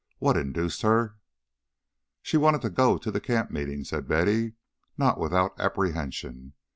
What induced her " "She wanted to go to the camp meeting," said Betty, not without apprehension.